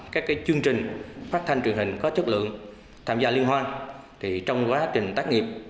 các chương trình phát thanh truyền hình có chất lượng tham gia liên hoan trong quá trình tác nghiệp